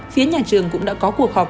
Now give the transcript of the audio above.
phía nhà trường cũng đã có cuộc học